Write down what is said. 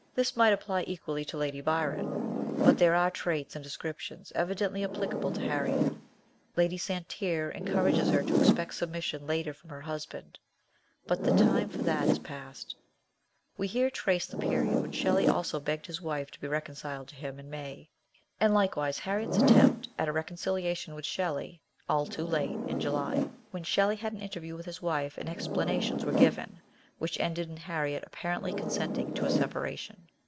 This might apply equally to Lady Byron; but there are traits and descriptions evidently applicable to Harriet. Lady Santerre encourages her to expect submission later from her husband, but the time for that is passed. We here trace the period when Shelley also begged his wife to be reconciled to him in May, and likewise Harriet's attempt at reconciliation with Shelley, all too late, in July, when Shelley had an interview with his wife and explanations were given, which ended in Harriet apparently consenting to a separation.